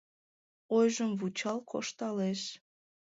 Ойжым вучал кошталеш...